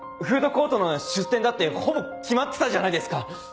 フードコートの出店だってほぼ決まってたじゃないですか！